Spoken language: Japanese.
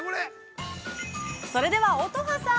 ◆それでは乙葉さん。